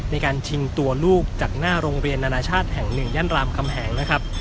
ในการชิงตัวลูกจากหน้าโรงเรียนนานาชาติแห่ง๑ย่านรามคำแหงนะครับ